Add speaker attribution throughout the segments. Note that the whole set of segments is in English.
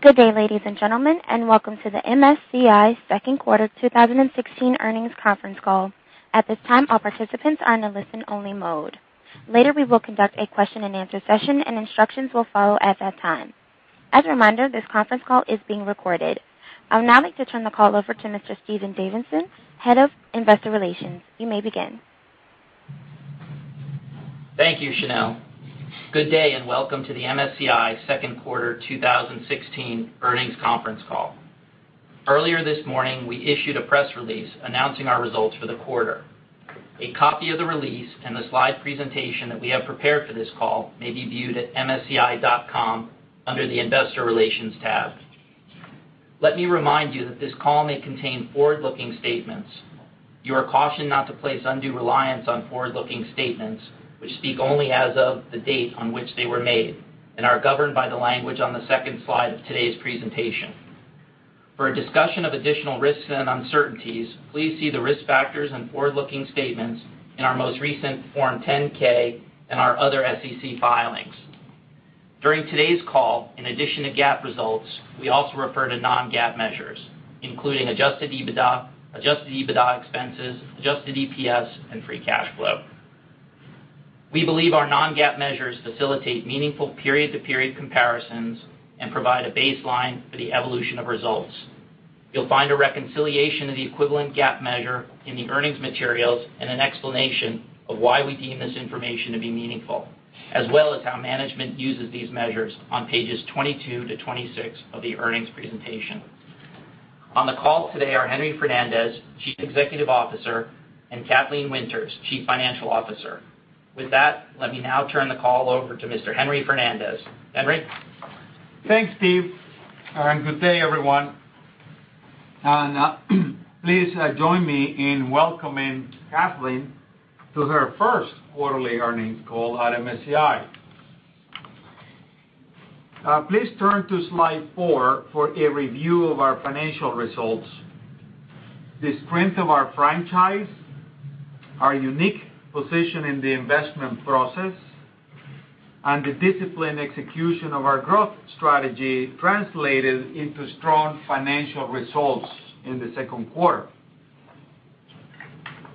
Speaker 1: Good day, ladies and gentlemen, welcome to the MSCI second quarter 2016 earnings conference call. At this time, all participants are in a listen-only mode. Later, we will conduct a question and answer session and instructions will follow at that time. As a reminder, this conference call is being recorded. I would now like to turn the call over to Mr. Stephen Davidson, Head of Investor Relations. You may begin.
Speaker 2: Thank you, Chanel. Good day, welcome to the MSCI second quarter 2016 earnings conference call. Earlier this morning, we issued a press release announcing our results for the quarter. A copy of the release and the slide presentation that we have prepared for this call may be viewed at msci.com under the investor relations tab. Let me remind you that this call may contain forward-looking statements. You are cautioned not to place undue reliance on forward-looking statements, which speak only as of the date on which they were made and are governed by the language on the second slide of today's presentation. For a discussion of additional risks and uncertainties, please see the risk factors and forward-looking statements in our most recent Form 10-K and our other SEC filings. During today's call, in addition to GAAP results, we also refer to non-GAAP measures, including adjusted EBITDA, adjusted EBITDA expenses, adjusted EPS, and free cash flow. We believe our non-GAAP measures facilitate meaningful period-to-period comparisons and provide a baseline for the evolution of results. You'll find a reconciliation of the equivalent GAAP measure in the earnings materials and an explanation of why we deem this information to be meaningful, as well as how management uses these measures on pages 22 to 26 of the earnings presentation. On the call today are Henry Fernandez, Chief Executive Officer, and Kathleen Winters, Chief Financial Officer. With that, let me now turn the call over to Mr. Henry Fernandez. Henry?
Speaker 3: Thanks, Steve, good day, everyone. Please join me in welcoming Kathleen to her first quarterly earnings call at MSCI. Please turn to slide four for a review of our financial results. The strength of our franchise, our unique position in the investment process, the disciplined execution of our growth strategy translated into strong financial results in the second quarter.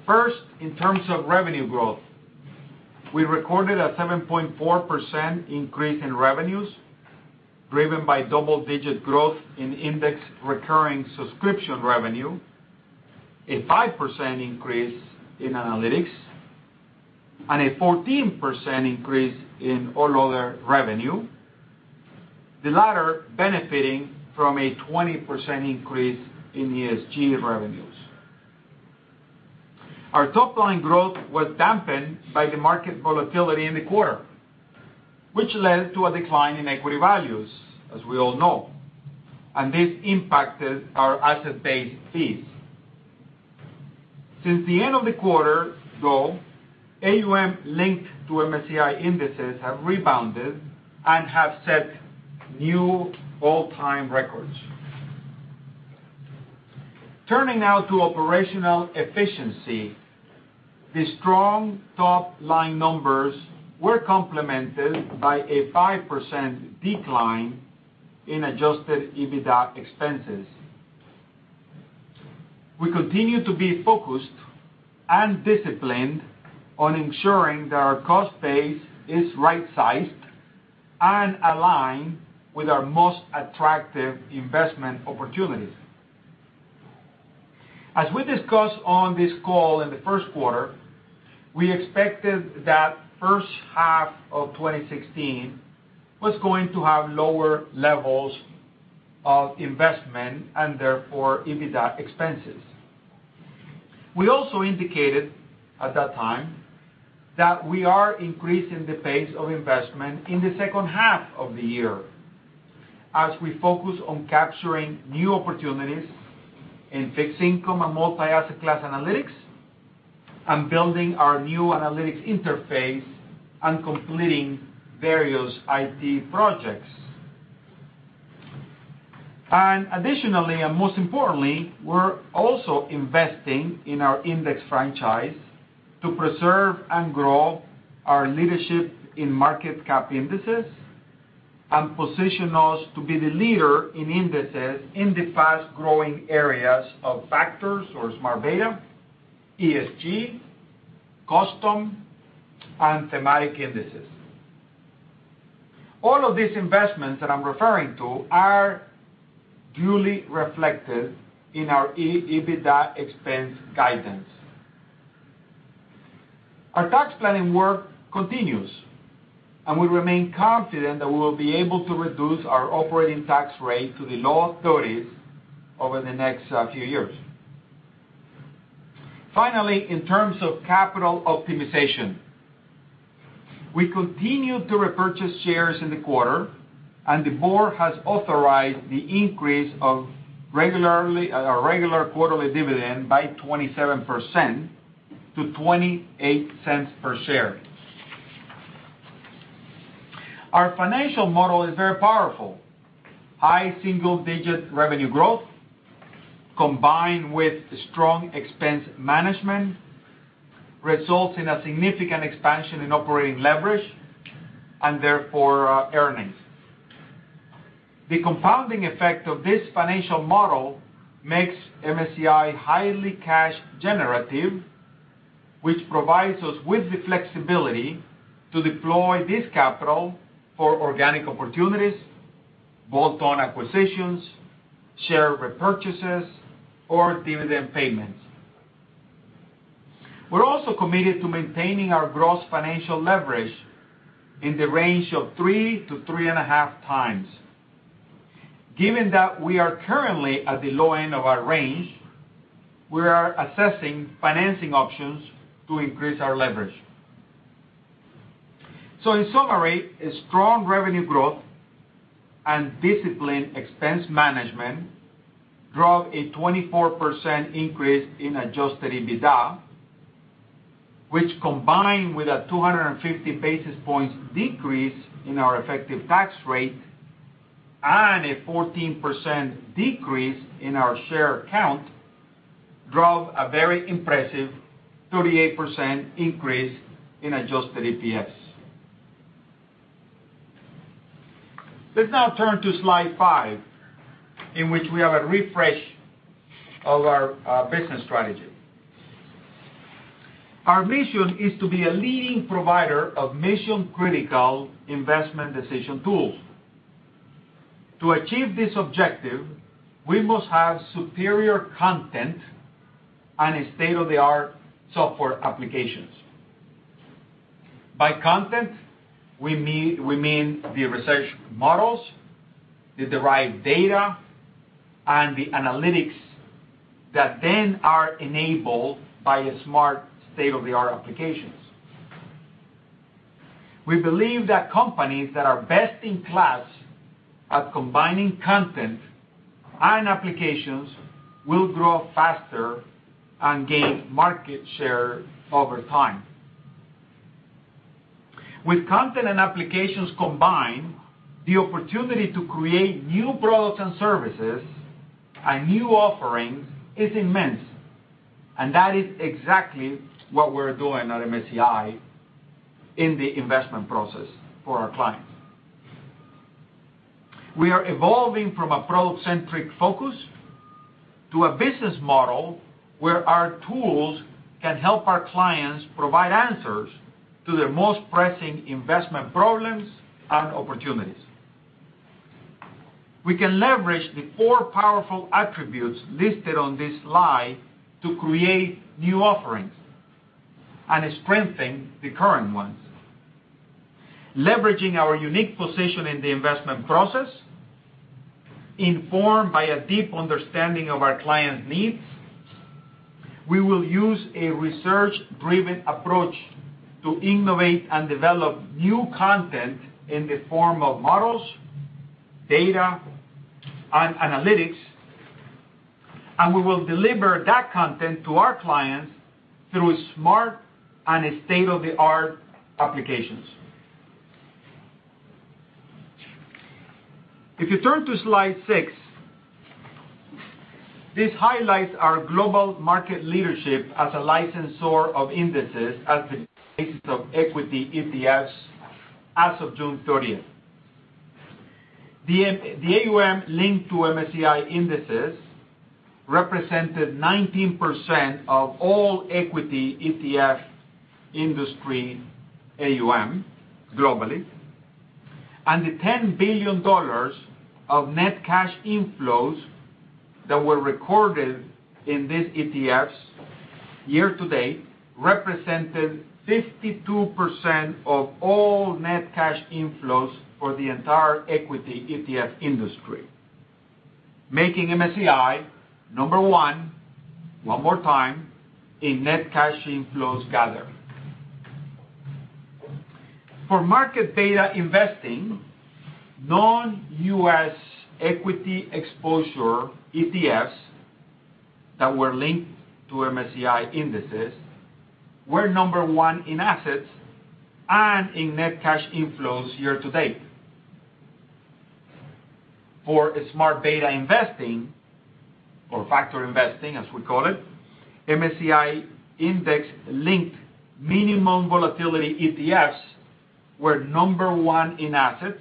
Speaker 3: First, in terms of revenue growth, we recorded a 7.4% increase in revenues, driven by double-digit growth in index recurring subscription revenue, a 5% increase in analytics, a 14% increase in all other revenue, the latter benefiting from a 20% increase in ESG revenues. Our top-line growth was dampened by the market volatility in the quarter, which led to a decline in equity values, as we all know, this impacted our asset-based fees. Since the end of the quarter, though, AUM linked to MSCI indices have rebounded and have set new all-time records. Turning now to operational efficiency. The strong top-line numbers were complemented by a 5% decline in adjusted EBITDA expenses. We continue to be focused and disciplined on ensuring that our cost base is right-sized and aligned with our most attractive investment opportunities. As we discussed on this call in the first quarter, we expected that first half of 2016 was going to have lower levels of investment and therefore EBITDA expenses. We also indicated at that time that we are increasing the pace of investment in the second half of the year as we focus on capturing new opportunities in fixed income and multi-asset class analytics and building our new analytics interface and completing various IT projects. Additionally, and most importantly, we're also investing in our index franchise to preserve and grow our leadership in market cap indices and position us to be the leader in indices in the fast-growing areas of factors or smart beta, ESG, custom, and thematic indices. All of these investments that I'm referring to are duly reflected in our EBITDA expense guidance. Our tax planning work continues, and we remain confident that we will be able to reduce our operating tax rate to the low 30s over the next few years. Finally, in terms of capital optimization, we continued to repurchase shares in the quarter, and the board has authorized the increase of our regular quarterly dividend by 27% to $0.28 per share. Our financial model is very powerful. High single-digit revenue growth combined with strong expense management, results in a significant expansion in operating leverage, and therefore, earnings. The compounding effect of this financial model makes MSCI highly cash generative, which provides us with the flexibility to deploy this capital for organic opportunities, bolt-on acquisitions, share repurchases, or dividend payments. We're also committed to maintaining our gross financial leverage in the range of 3 to 3.5 times. Given that we are currently at the low end of our range, we are assessing financing options to increase our leverage. In summary, a strong revenue growth and disciplined expense management drove a 24% increase in adjusted EBITDA, which combined with a 250 basis points decrease in our effective tax rate and a 14% decrease in our share count, drove a very impressive 38% increase in adjusted EPS. Let's now turn to slide five, in which we have a refresh of our business strategy. Our mission is to be a leading provider of mission-critical investment decision tools. To achieve this objective, we must have superior content and a state-of-the-art software applications. By content, we mean the research models, the derived data, and the analytics that then are enabled by a smart state-of-the-art applications. We believe that companies that are best in class at combining content and applications will grow faster and gain market share over time. With content and applications combined, the opportunity to create new products and services and new offerings is immense, and that is exactly what we're doing at MSCI in the investment process for our clients. We are evolving from a product-centric focus to a business model where our tools can help our clients provide answers to their most pressing investment problems and opportunities. We can leverage the four powerful attributes listed on this slide to create new offerings and strengthen the current ones. Leveraging our unique position in the investment process, informed by a deep understanding of our clients' needs. We will use a research-driven approach to innovate and develop new content in the form of models, data, and analytics. We will deliver that content to our clients through smart and state-of-the-art applications. If you turn to slide six, this highlights our global market leadership as a licensor of indices as the basis of equity ETFs as of June 30th. The AUM linked to MSCI indices represented 19% of all equity ETF industry AUM globally, and the $10 billion of net cash inflows that were recorded in these ETFs year to date represented 52% of all net cash inflows for the entire equity ETF industry, making MSCI number one more time, in net cash inflows gathering. For market data investing, non-U.S. equity exposure ETFs that were linked to MSCI indices were number one in assets and in net cash inflows year to date. For smart beta investing, or factor investing, as we call it, MSCI index-linked minimum volatility ETFs were number one in assets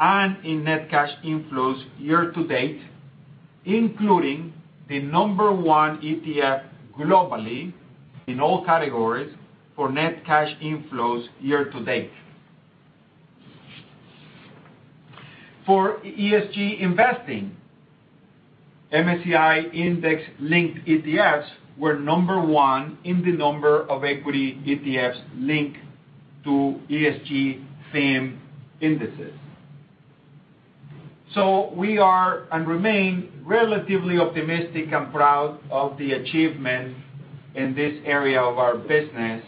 Speaker 3: and in net cash inflows year to date, including the number one ETF globally in all categories for net cash inflows year to date. For ESG investing, MSCI index-linked ETFs were number one in the number of equity ETFs linked to ESG themed indices. We are, and remain, relatively optimistic and proud of the achievement in this area of our business,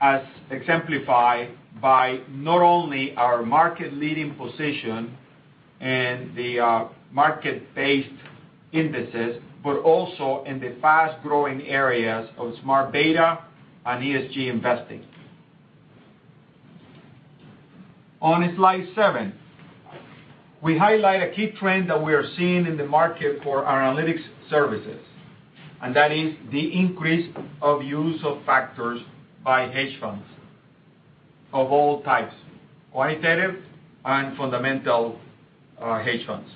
Speaker 3: as exemplified by not only our market leading position in the market-based indices, but also in the fast-growing areas of smart beta and ESG investing. On slide seven, we highlight a key trend that we are seeing in the market for our analytics services. That is the increase of use of factors by hedge funds of all types, quantitative and fundamental hedge funds.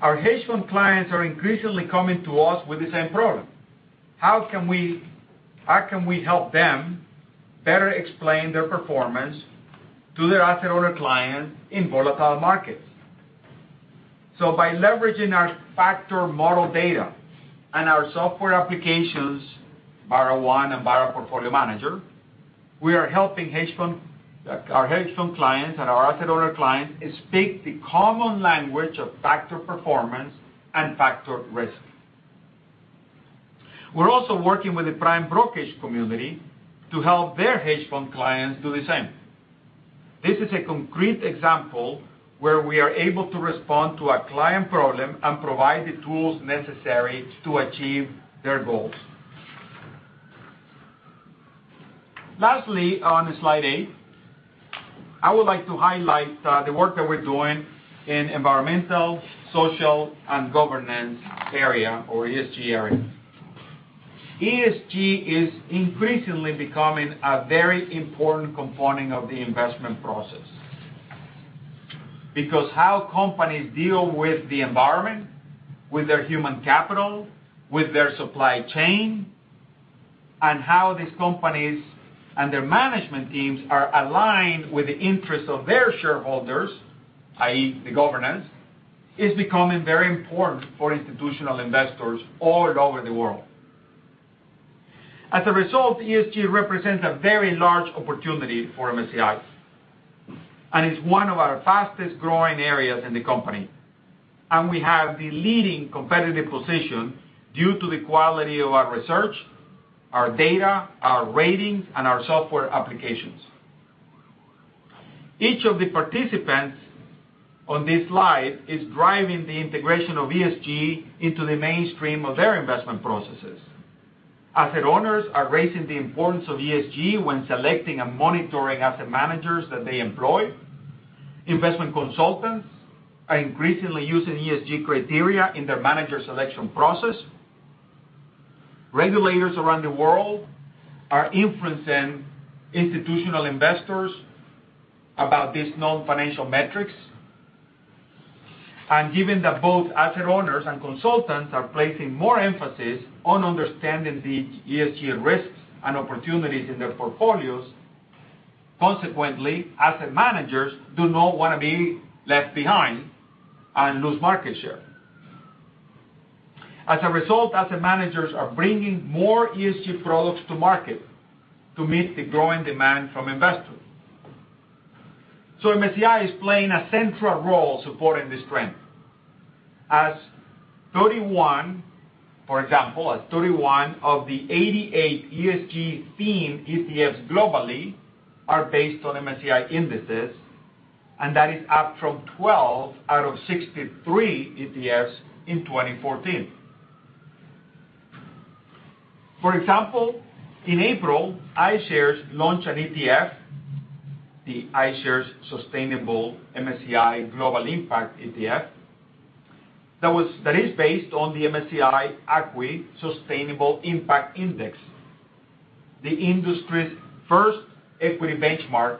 Speaker 3: Our hedge fund clients are increasingly coming to us with the same problem. How can we help them better explain their performance to their asset owner client in volatile markets? By leveraging our factor model data and our software applications, BarraOne and Barra Portfolio Manager, we are helping our hedge fund clients and our asset owner clients speak the common language of factor performance and factor risk. We're also working with the prime brokerage community to help their hedge fund clients do the same. This is a concrete example where we are able to respond to a client problem and provide the tools necessary to achieve their goals. Lastly, on slide eight, I would like to highlight the work that we're doing in environmental, social, and governance area or ESG area. ESG is increasingly becoming a very important component of the investment process, because how companies deal with the environment, with their human capital, with their supply chain, and how these companies and their management teams are aligned with the interests of their shareholders, i.e., the governance, is becoming very important for institutional investors all over the world. As a result, ESG represents a very large opportunity for MSCI, and it's one of our fastest-growing areas in the company. We have the leading competitive position due to the quality of our research, our data, our ratings, and our software applications. Each of the participants on this slide is driving the integration of ESG into the mainstream of their investment processes. Asset owners are raising the importance of ESG when selecting and monitoring asset managers that they employ. Investment consultants are increasingly using ESG criteria in their manager selection process. Regulators around the world are influencing institutional investors about these non-financial metrics. Given that both asset owners and consultants are placing more emphasis on understanding the ESG risks and opportunities in their portfolios, consequently, asset managers do not want to be left behind and lose market share. As a result, asset managers are bringing more ESG products to market to meet the growing demand from investors. MSCI is playing a central role supporting this trend. For example, 31 of the 88 ESG themed ETFs globally are based on MSCI indices, and that is up from 12 out of 63 ETFs in 2014. For example, in April, iShares launched an ETF, the iShares Sustainable MSCI Global Impact ETF, that is based on the MSCI ACWI Sustainable Impact Index, the industry's first equity benchmark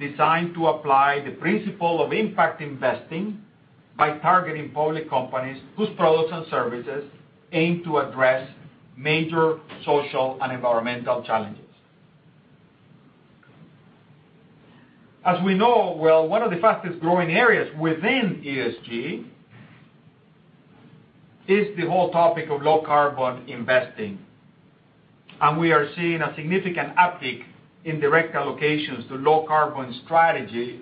Speaker 3: designed to apply the principle of impact investing by targeting public companies whose products and services aim to address major social and environmental challenges. As we know well, one of the fastest-growing areas within ESG is the whole topic of low-carbon investing, and we are seeing a significant uptick in direct allocations to low-carbon strategies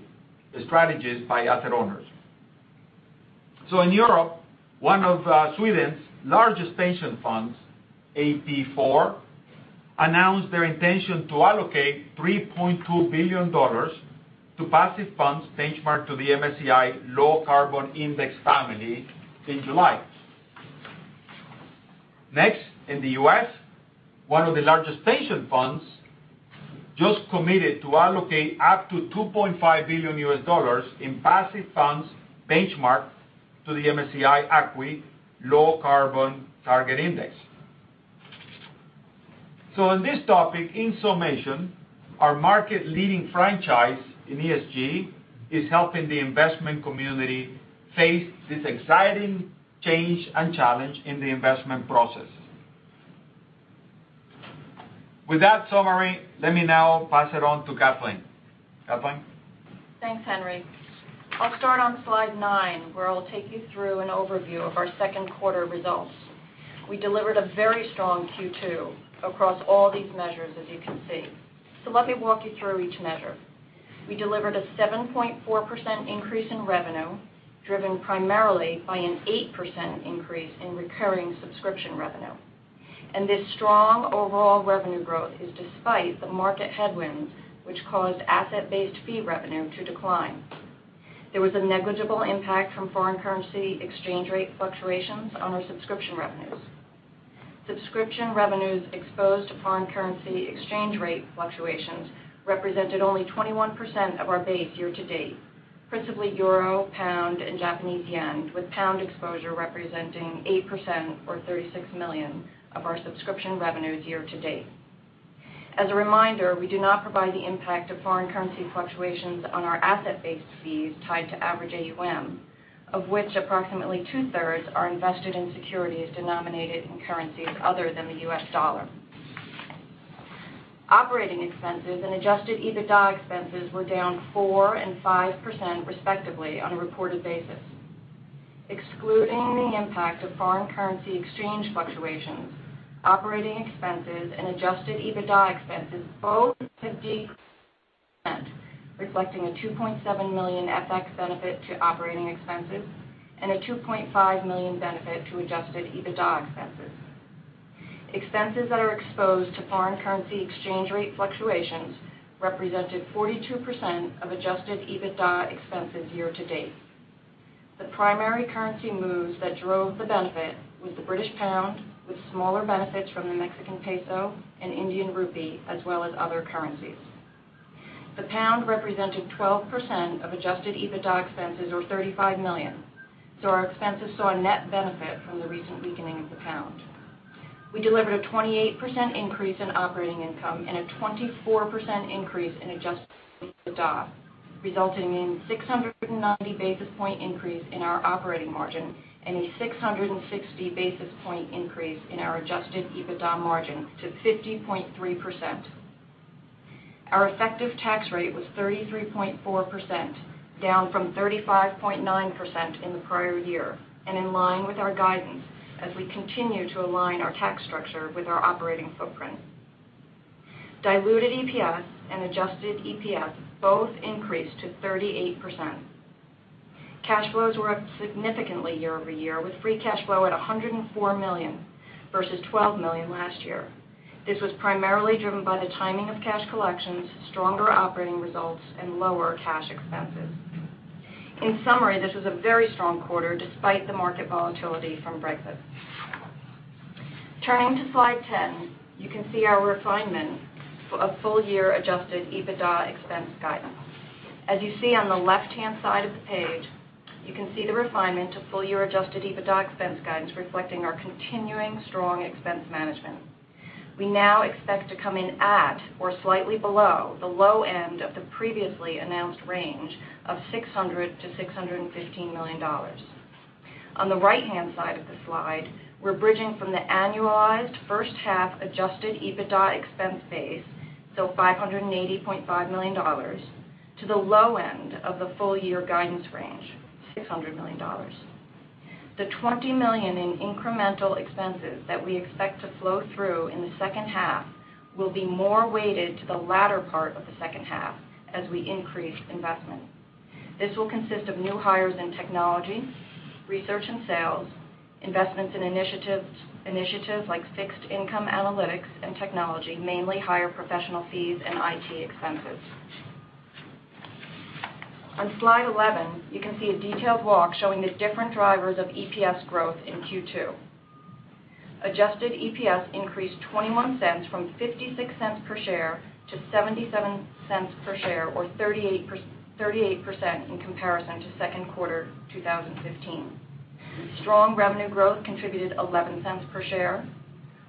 Speaker 3: by asset owners. In Europe, one of Sweden's largest pension funds, AP4, announced their intention to allocate $3.2 billion to passive funds benchmarked to the MSCI Low Carbon Index family in July. In the U.S., one of the largest pension funds just committed to allocate up to $2.5 billion in passive funds benchmarked to the MSCI ACWI Low Carbon Target Index. On this topic, in summation, our market leading franchise in ESG is helping the investment community face this exciting change and challenge in the investment process. With that summary, let me now pass it on to Kathleen. Kathleen?
Speaker 4: Thanks, Henry. I'll start on slide nine, where I'll take you through an overview of our second quarter results. We delivered a very strong Q2 across all these measures, as you can see. Let me walk you through each measure. We delivered a 7.4% increase in revenue, driven primarily by an 8% increase in recurring subscription revenue. This strong overall revenue growth is despite the market headwinds, which caused asset-based fee revenue to decline. There was a negligible impact from foreign currency exchange rate fluctuations on our subscription revenues. Subscription revenues exposed to foreign currency exchange rate fluctuations represented only 21% of our base year to date, principally EUR, GBP, and JPY, with GBP exposure representing 8% or 36 million of our subscription revenues year to date. As a reminder, we do not provide the impact of foreign currency fluctuations on our asset-based fees tied to average AUM, of which approximately two-thirds are invested in securities denominated in currencies other than the US dollar. Operating expenses and adjusted EBITDA expenses were down 4% and 5%, respectively, on a reported basis. Excluding the impact of foreign currency exchange fluctuations, operating expenses and adjusted EBITDA expenses both decreased, reflecting a $2.7 million FX benefit to operating expenses and a $2.5 million benefit to adjusted EBITDA expenses. Expenses that are exposed to foreign currency exchange rate fluctuations represented 42% of adjusted EBITDA expenses year to date. The primary currency moves that drove the benefit was the British pound, with smaller benefits from the Mexican peso and Indian rupee, as well as other currencies. The pound represented 12% of adjusted EBITDA expenses, or $35 million. Our expenses saw a net benefit from the recent weakening of the pound. We delivered a 28% increase in operating income and a 24% increase in adjusted EBITDA, resulting in 690 basis point increase in our operating margin and a 660 basis point increase in our adjusted EBITDA margin to 50.3%. Our effective tax rate was 33.4%, down from 35.9% in the prior year, and in line with our guidance as we continue to align our tax structure with our operating footprint. Diluted EPS and adjusted EPS both increased to 38%. Cash flows were up significantly year-over-year with free cash flow at $104 million versus $12 million last year. This was primarily driven by the timing of cash collections, stronger operating results, and lower cash expenses. In summary, this was a very strong quarter despite the market volatility from Brexit. Turning to slide 10, you can see our refinement, a full-year adjusted EBITDA expense guidance. As you see on the left-hand side of the page, you can see the refinement to full-year adjusted EBITDA expense guidance reflecting our continuing strong expense management. We now expect to come in at or slightly below the low end of the previously announced range of $600 million-$615 million. On the right-hand side of the slide, we're bridging from the annualized first half adjusted EBITDA expense base, so $580.5 million, to the low end of the full year guidance range, $600 million. The $20 million in incremental expenses that we expect to flow through in the second half will be more weighted to the latter part of the second half as we increase investment. This will consist of new hires in technology, research and sales, investments in initiatives like fixed income analytics and technology, mainly higher professional fees and IT expenses. On slide 11, you can see a detailed walk showing the different drivers of EPS growth in Q2. Adjusted EPS increased $0.21 from $0.56 per share to $0.77 per share, or 38% in comparison to second quarter 2015. Strong revenue growth contributed $0.11 per share.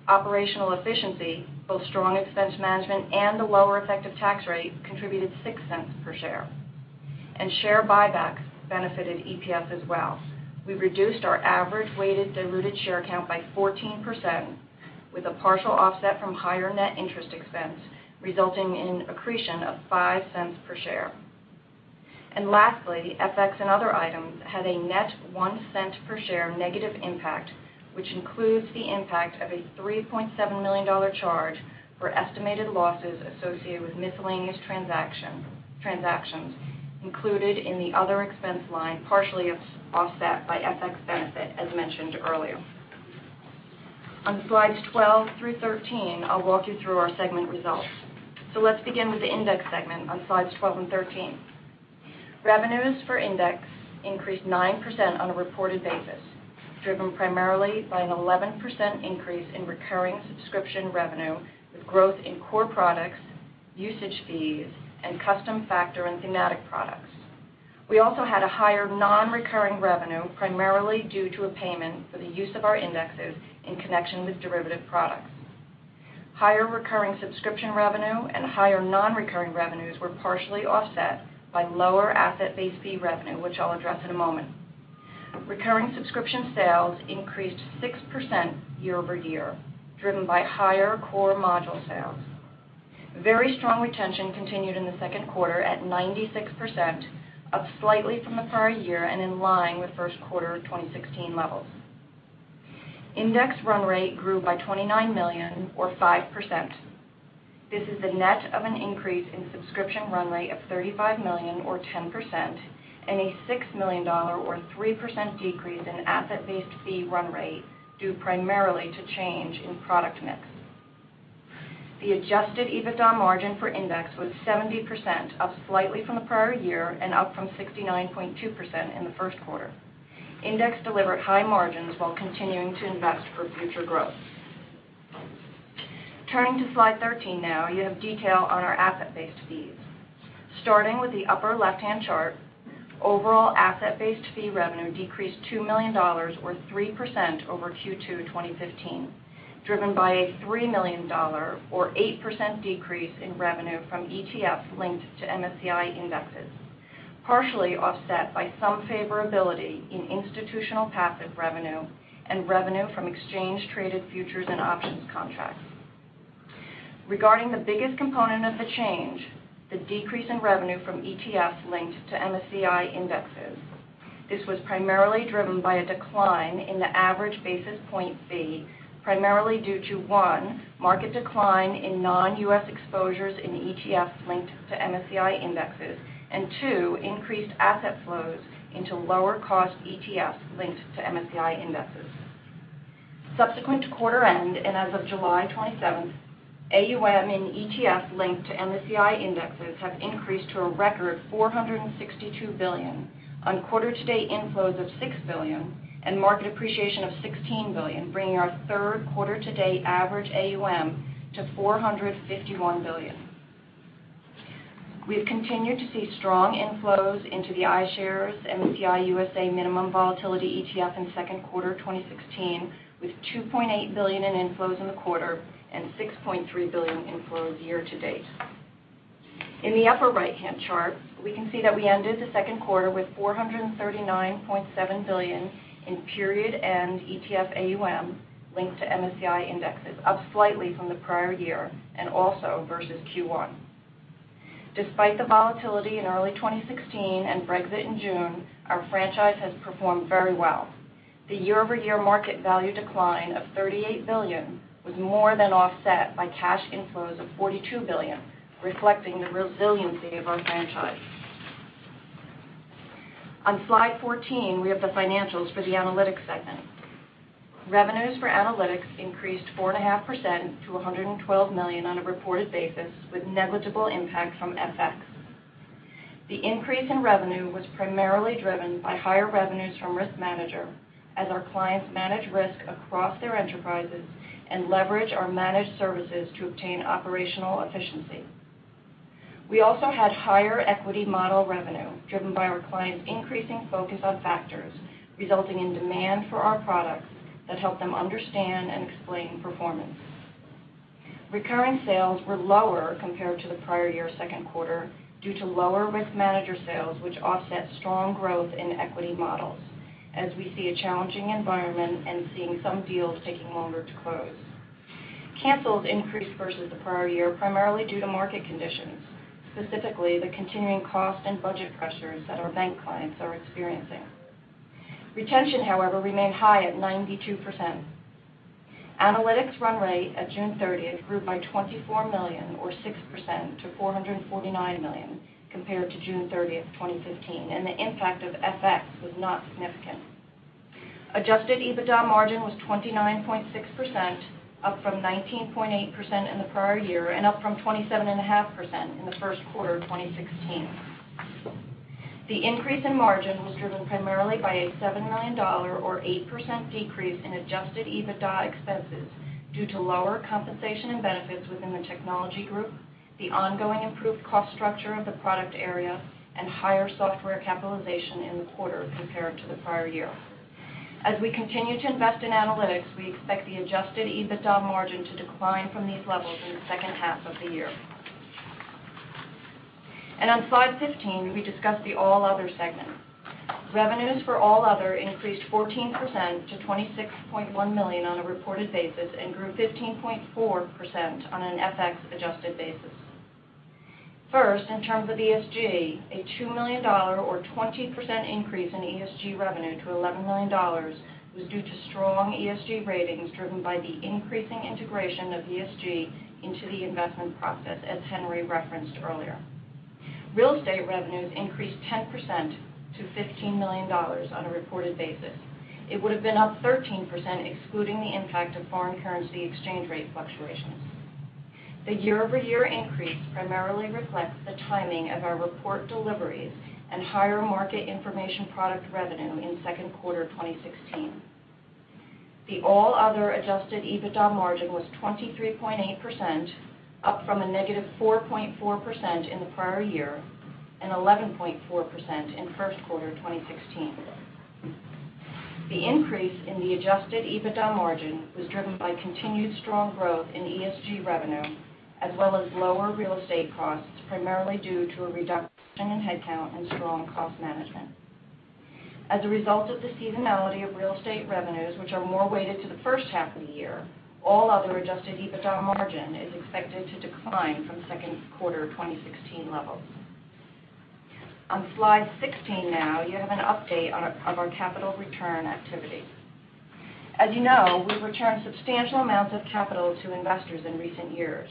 Speaker 4: Operational efficiency, both strong expense management and a lower effective tax rate, contributed $0.06 per share. Share buybacks benefited EPS as well. We've reduced our average weighted diluted share count by 14%, with a partial offset from higher net interest expense, resulting in accretion of $0.05 per share. lastly, FX and other items had a net $0.01 per share negative impact, which includes the impact of a $3.7 million charge for estimated losses associated with miscellaneous transactions included in the other expense line, partially offset by FX benefit, as mentioned earlier. On slides 12 through 13, I will walk you through our segment results. Let's begin with the Index segment on slides 12 and 13. Revenues for Index increased 9% on a reported basis, driven primarily by an 11% increase in recurring subscription revenue, with growth in core products, usage fees, and custom factor and thematic products. We also had a higher non-recurring revenue primarily due to a payment for the use of our indexes in connection with derivative products. Higher recurring subscription revenue and higher non-recurring revenues were partially offset by lower asset-based fee revenue, which I will address in a moment. Recurring subscription sales increased 6% year-over-year, driven by higher core module sales. Very strong retention continued in the second quarter at 96%, up slightly from the prior year and in line with first quarter 2016 levels. Index run rate grew by $29 million or 5%. This is the net of an increase in subscription run rate of $35 million or 10%, and a $6 million or 3% decrease in asset-based fee run rate, due primarily to change in product mix. The adjusted EBITDA margin for Index was 70%, up slightly from the prior year and up from 69.2% in the first quarter. Index delivered high margins while continuing to invest for future growth. Turning to slide 13 now, you have detail on our asset-based fees. Starting with the upper left-hand chart, overall asset-based fee revenue decreased $2 million, or 3%, over Q2 2015, driven by a $3 million, or 8%, decrease in revenue from ETFs linked to MSCI indexes, partially offset by some favorability in institutional passive revenue and revenue from exchange traded futures and options contracts. Regarding the biggest component of the change, the decrease in revenue from ETFs linked to MSCI indexes. This was primarily driven by a decline in the average basis point fee, primarily due to 1) market decline in non-U.S. exposures in ETFs linked to MSCI indexes, and 2) increased asset flows into lower cost ETFs linked to MSCI indexes. Subsequent to quarter end, as of July 27th, AUM in ETFs linked to MSCI indexes have increased to a record $462 billion on quarter to date inflows of $6 billion and market appreciation of $16 billion, bringing our third quarter to date average AUM to $451 billion. We have continued to see strong inflows into the iShares MSCI USA Minimum Volatility ETF in second quarter 2016, with $2.8 billion in inflows in the quarter and $6.3 billion inflows year to date. In the upper right-hand chart, we can see that we ended the second quarter with $439.7 billion in period end ETF AUM linked to MSCI indexes, up slightly from the prior year and also versus Q1. Despite the volatility in early 2016 and Brexit in June, our franchise has performed very well. The year-over-year market value decline of $38 billion was more than offset by cash inflows of $42 billion, reflecting the resiliency of our franchise. On slide 14, we have the financials for the Analytics segment. Revenues for Analytics increased 4.5% to $112 million on a reported basis, with negligible impact from FX. The increase in revenue was primarily driven by higher revenues from RiskManager, as our clients manage risk across their enterprises and leverage our managed services to obtain operational efficiency. We also had higher equity model revenue driven by our clients' increasing focus on factors resulting in demand for our products that help them understand and explain performance. Recurring sales were lower compared to the prior year second quarter due to lower RiskManager sales, which offset strong growth in equity models, as we see a challenging environment and seeing some deals taking longer to close. Cancels increased versus the prior year, primarily due to market conditions, specifically the continuing cost and budget pressures that our bank clients are experiencing. Retention, however, remained high at 92%. Analytics run rate at June 30th grew by $24 million or 6%, to $449 million compared to June 30th, 2015. The impact of FX was not significant. Adjusted EBITDA margin was 29.6%, up from 19.8% in the prior year and up from 27.5% in the first quarter of 2016. The increase in margin was driven primarily by a $7 million, or 8%, decrease in adjusted EBITDA expenses due to lower compensation and benefits within the technology group, the ongoing improved cost structure of the product area, and higher software capitalization in the quarter compared to the prior year. As we continue to invest in Analytics, we expect the adjusted EBITDA margin to decline from these levels in the second half of the year. On slide 15, we discuss the All Other segment. Revenues for All Other increased 14% to $26.1 million on a reported basis and grew 15.4% on an FX adjusted basis. First, in terms of ESG, a $2 million or 20% increase in ESG revenue to $11 million was due to strong ESG ratings driven by the increasing integration of ESG into the investment process, as Henry referenced earlier. Real estate revenues increased 10% to $15 million on a reported basis. It would have been up 13%, excluding the impact of foreign currency exchange rate fluctuations. The year-over-year increase primarily reflects the timing of our report deliveries and higher market information product revenue in second quarter 2016. The All Other adjusted EBITDA margin was 23.8%, up from a negative 4.4% in the prior year and 11.4% in first quarter 2016. The increase in the adjusted EBITDA margin was driven by continued strong growth in ESG revenue, as well as lower real estate costs, primarily due to a reduction in headcount and strong cost management. As a result of the seasonality of real estate revenues, which are more weighted to the first half of the year, All Other adjusted EBITDA margin is expected to decline from second quarter 2016 levels. On slide 16 now, you have an update of our capital return activity. As you know, we've returned substantial amounts of capital to investors in recent years.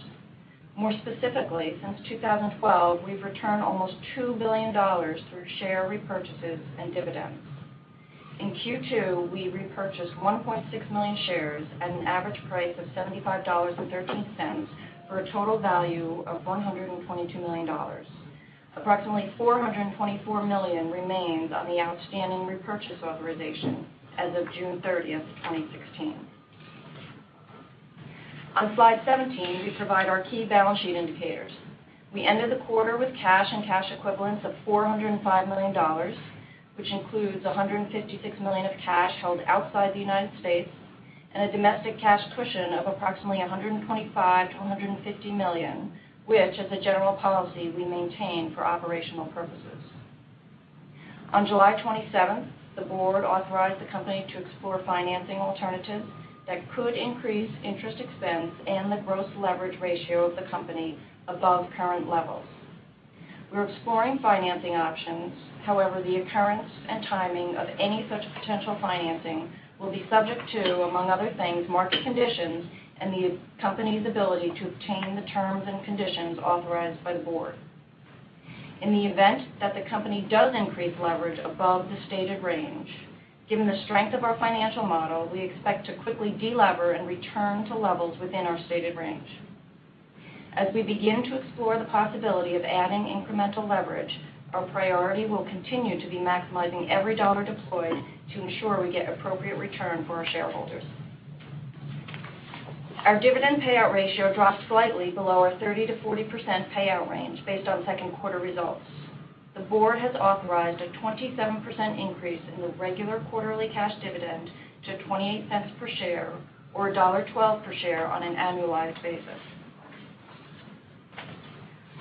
Speaker 4: More specifically, since 2012, we've returned almost $2 billion through share repurchases and dividends. In Q2, we repurchased 1.6 million shares at an average price of $75.13, for a total value of $122 million. Approximately $424 million remains on the outstanding repurchase authorization as of June 30th, 2016. On slide 17, we provide our key balance sheet indicators. We ended the quarter with cash and cash equivalents of $405 million, which includes $156 million of cash held outside the United States and a domestic cash cushion of approximately $125 million-$150 million, which, as a general policy, we maintain for operational purposes. On July 27th, the board authorized the company to explore financing alternatives that could increase interest expense and the gross leverage ratio of the company above current levels. We're exploring financing options, however, the occurrence and timing of any such potential financing will be subject to, among other things, market conditions and the company's ability to obtain the terms and conditions authorized by the board. In the event that the company does increase leverage above the stated range, given the strength of our financial model, we expect to quickly de-lever and return to levels within our stated range. As we begin to explore the possibility of adding incremental leverage, our priority will continue to be maximizing every dollar deployed to ensure we get appropriate return for our shareholders. Our dividend payout ratio dropped slightly below our 30%-40% payout range based on second quarter results. The board has authorized a 27% increase in the regular quarterly cash dividend to $0.28 per share, or $1.12 per share on an annualized basis.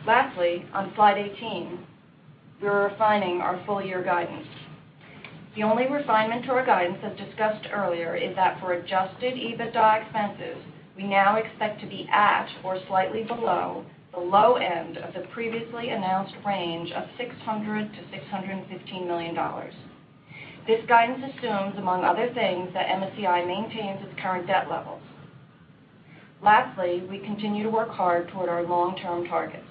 Speaker 4: On slide 18, we're refining our full year guidance. The only refinement to our guidance as discussed earlier is that for adjusted EBITDA expenses, we now expect to be at or slightly below the low end of the previously announced range of $600 million-$615 million. This guidance assumes, among other things, that MSCI maintains its current debt levels. We continue to work hard toward our long-term targets.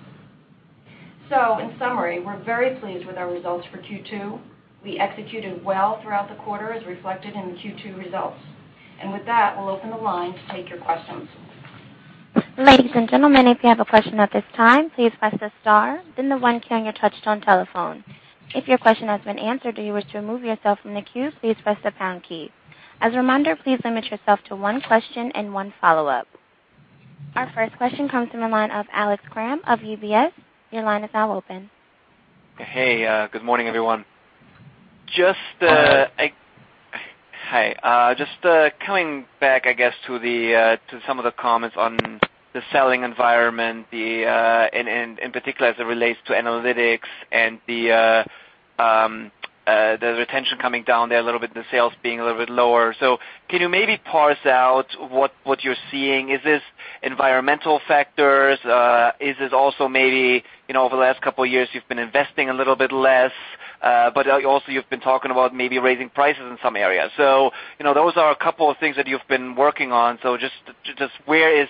Speaker 4: In summary, we're very pleased with our results for Q2. We executed well throughout the quarter, as reflected in the Q2 results. With that, we'll open the line to take your questions.
Speaker 1: Ladies and gentlemen, if you have a question at this time, please press the star then the one key on your touch-tone telephone. If your question has been answered or you wish to remove yourself from the queue, please press the pound key. As a reminder, please limit yourself to one question and one follow-up. Our first question comes from the line of Alex Kramm of UBS. Your line is now open.
Speaker 5: Hey, good morning, everyone.
Speaker 4: Hi.
Speaker 5: Hi. Just coming back, I guess, to some of the comments on the selling environment, in particular as it relates to analytics and the retention coming down there a little bit, and the sales being a little bit lower. Can you maybe parse out what you're seeing? Is this environmental factors? Is this also maybe, over the last couple of years, you've been investing a little bit less, but also you've been talking about maybe raising prices in some areas. Those are a couple of things that you've been working on. Just where is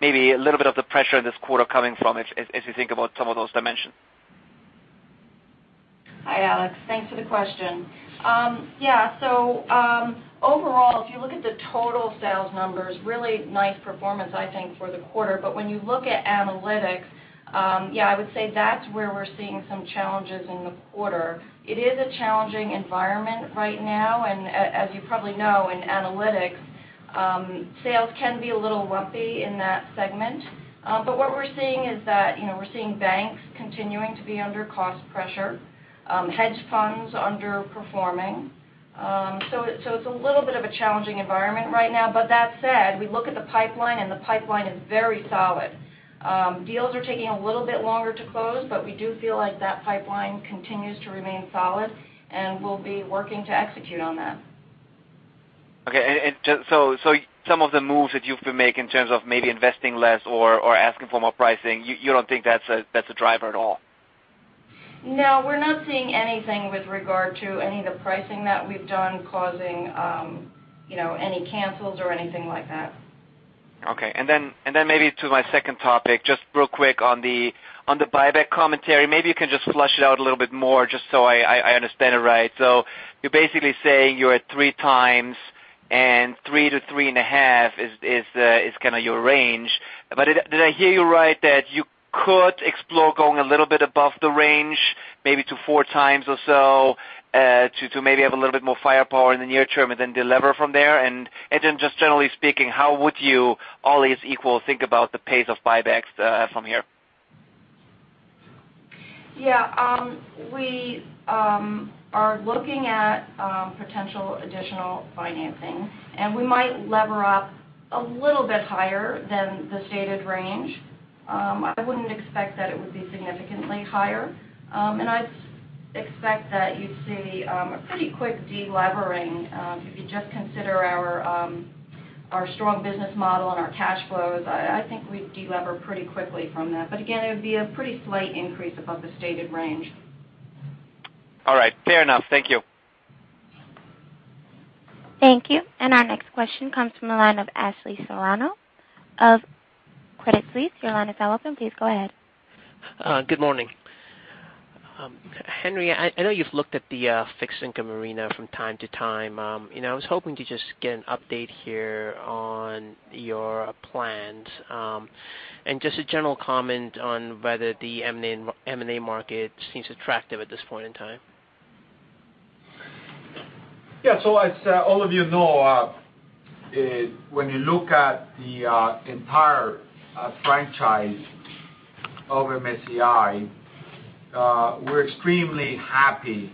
Speaker 5: maybe a little bit of the pressure this quarter coming from as you think about some of those dimensions?
Speaker 4: Hi, Alex. Thanks for the question. Yeah. Overall, if you look at the total sales numbers, really nice performance, I think, for the quarter. When you look at analytics, yeah, I would say that's where we're seeing some challenges in the quarter. It is a challenging environment right now, and as you probably know, in analytics, sales can be a little lumpy in that segment. What we're seeing is that we're seeing banks continuing to be under cost pressure, hedge funds underperforming. It's a little bit of a challenging environment right now. That said, we look at the pipeline and the pipeline is very solid. Deals are taking a little bit longer to close, but we do feel like that pipeline continues to remain solid, and we'll be working to execute on that.
Speaker 5: Okay. And some of the moves that you've been making in terms of maybe investing less or asking for more pricing, you don't think that's a driver at all?
Speaker 4: We're not seeing anything with regard to any of the pricing that we've done causing any cancels or anything like that.
Speaker 5: Okay. Maybe to my second topic, just real quick on the buyback commentary, maybe you can just flesh it out a little bit more just so I understand it right. You're basically saying you're at 3x to 3.5x is kind of your range. Did I hear you right that you could explore going a little bit above the range, maybe to 4x or so, to maybe have a little bit more firepower in the near term and then delever from there? Just generally speaking, how would you, all else equal, think about the pace of buybacks from here?
Speaker 4: Yeah. We are looking at potential additional financing, and we might lever up a little bit higher than the stated range. I wouldn't expect that it would be significantly higher. I'd expect that you'd see a pretty quick delevering. If you just consider our strong business model and our cash flows, I think we'd delever pretty quickly from that. Again, it would be a pretty slight increase above the stated range.
Speaker 5: All right. Fair enough. Thank you.
Speaker 1: Thank you. Our next question comes from the line of Ashley Serrao of Credit Suisse. Your line is now open. Please go ahead.
Speaker 6: Good morning. Henry, I know you've looked at the fixed income arena from time to time. I was hoping to just get an update here on your plans, and just a general comment on whether the M&A market seems attractive at this point in time.
Speaker 3: Yeah. As all of you know, when you look at the entire franchise of MSCI, we're extremely happy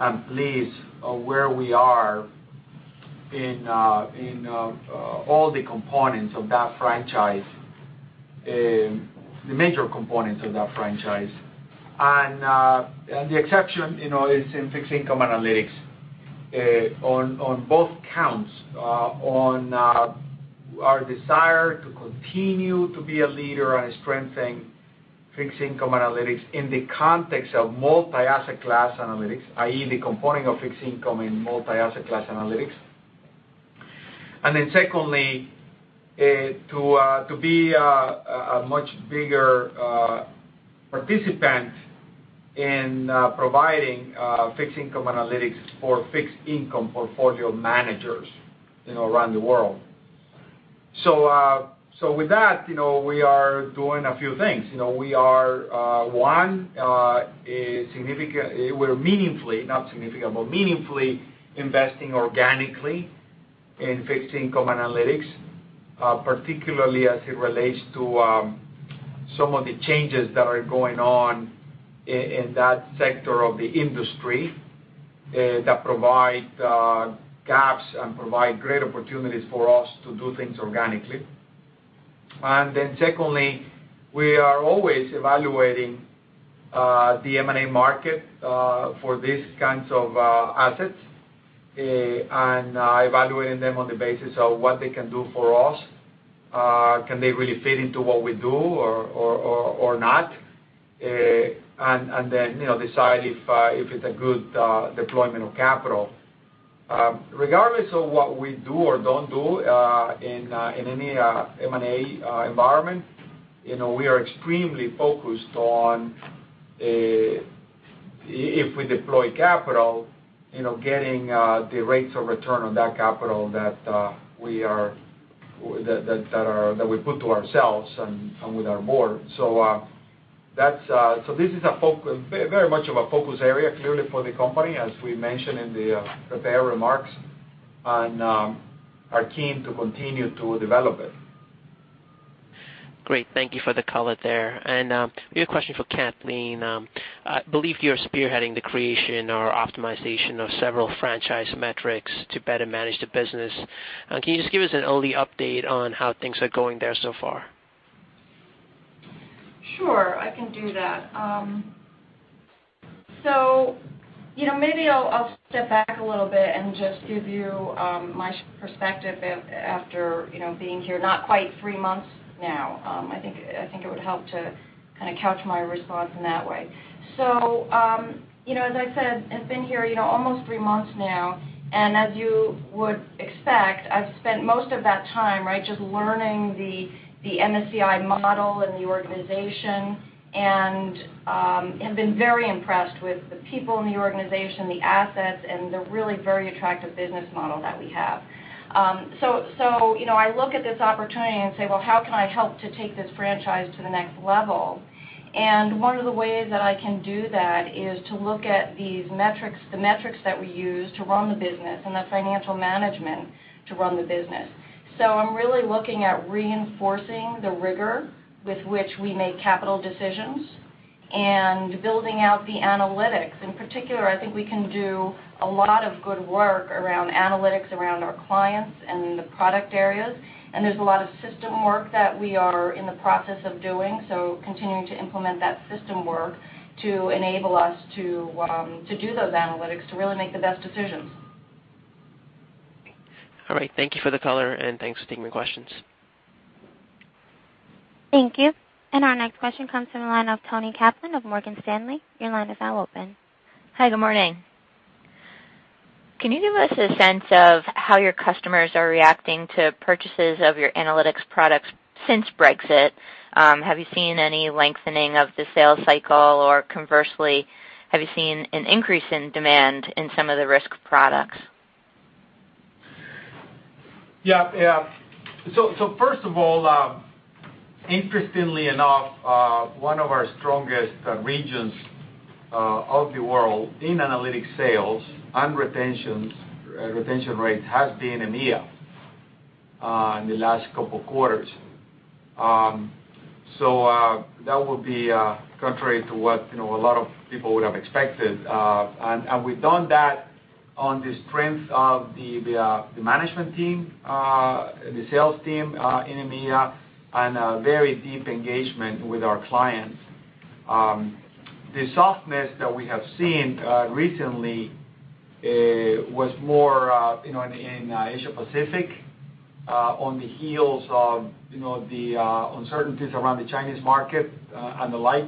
Speaker 3: and pleased of where we are in all the components of that franchise, the major components of that franchise. The exception is in fixed income analytics. On both counts, on our desire to continue to be a leader and strengthen fixed income analytics in the context of multi-asset class analytics, i.e., the component of fixed income in multi-asset class analytics. Secondly, to be a much bigger participant in providing fixed income analytics for fixed income portfolio managers around the world. With that, we are doing a few things. We are, one, meaningfully, not significantly, but meaningfully investing organically in fixed income analytics, particularly as it relates to some of the changes that are going on in that sector of the industry that provide gaps and provide great opportunities for us to do things organically. Secondly, we are always evaluating the M&A market for these kinds of assets and evaluating them on the basis of what they can do for us. Can they really fit into what we do or not? Decide if it's a good deployment of capital. Regardless of what we do or don't do in any M&A environment, we are extremely focused on if we deploy capital, getting the rates of return on that capital that we put to ourselves and with our board. This is very much of a focus area, clearly, for the company, as we mentioned in the prepared remarks, and are keen to continue to develop it.
Speaker 6: Great, thank you for the color there. We have a question for Kathleen. I believe you're spearheading the creation or optimization of several franchise metrics to better manage the business. Can you just give us an early update on how things are going there so far?
Speaker 4: Sure, I can do that. Maybe I'll step back a little bit and just give you my perspective after being here not quite three months now. I think it would help to kind of couch my response in that way. As I said, I've been here almost three months now, and as you would expect, I've spent most of that time just learning the MSCI model and the organization, and have been very impressed with the people in the organization, the assets, and the really very attractive business model that we have. I look at this opportunity and say, "Well, how can I help to take this franchise to the next level?" One of the ways that I can do that is to look at the metrics that we use to run the business and the financial management to run the business. I'm really looking at reinforcing the rigor with which we make capital decisions and building out the analytics. In particular, I think we can do a lot of good work around analytics, around our clients, and in the product areas. There's a lot of system work that we are in the process of doing, so continuing to implement that system work to enable us to do those analytics to really make the best decisions.
Speaker 6: All right. Thank you for the color, and thanks for taking my questions.
Speaker 1: Thank you. Our next question comes from the line of Toni Kaplan of Morgan Stanley. Your line is now open.
Speaker 7: Hi, good morning. Can you give us a sense of how your customers are reacting to purchases of your analytics products since Brexit? Have you seen any lengthening of the sales cycle, or conversely, have you seen an increase in demand in some of the risk products?
Speaker 3: Yeah. First of all, interestingly enough, one of our strongest regions of the world in analytics sales and retention rates has been EMEA in the last couple of quarters. That would be contrary to what a lot of people would have expected. We've done that on the strength of the management team, the sales team in EMEA, and a very deep engagement with our clients. The softness that we have seen recently was more in Asia Pacific on the heels of the uncertainties around the Chinese market and the like,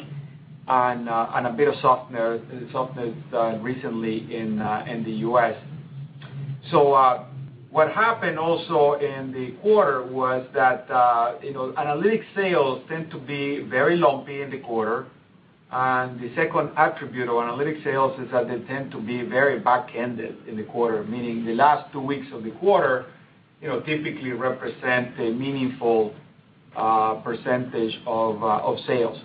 Speaker 3: and a bit of softness recently in the U.S. What happened also in the quarter was that analytics sales tend to be very lumpy in the quarter. The second attribute of analytics sales is that they tend to be very back-ended in the quarter, meaning the last two weeks of the quarter typically represent a meaningful percentage of sales.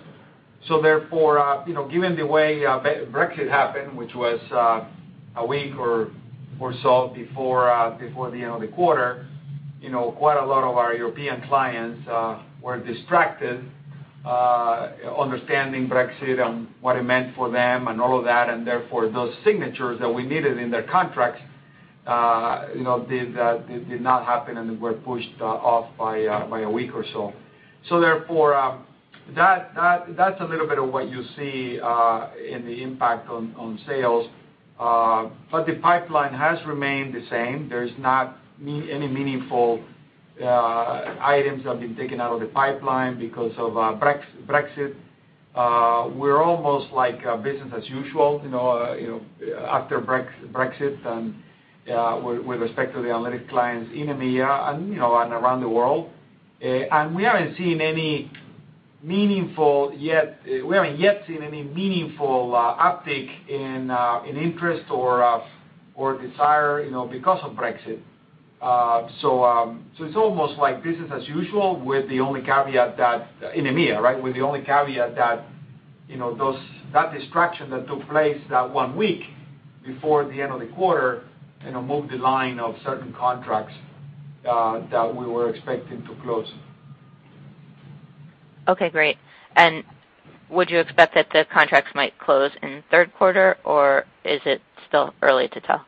Speaker 3: Given the way Brexit happened, which was a week or so before the end of the quarter, quite a lot of our European clients were distracted understanding Brexit and what it meant for them and all of that, those signatures that we needed in their contracts did not happen and were pushed off by a week or so. That's a little bit of what you see in the impact on sales. The pipeline has remained the same. There's not any meaningful items that have been taken out of the pipeline because of Brexit. We're almost like business as usual after Brexit, with respect to the analytics clients in EMEA and around the world. We haven't yet seen any meaningful uptick in interest or desire because of Brexit. It's almost like business as usual in EMEA, right, with the only caveat that distraction that took place that one week before the end of the quarter moved the line of certain contracts that we were expecting to close.
Speaker 7: Okay, great. Would you expect that the contracts might close in the third quarter, or is it still early to tell?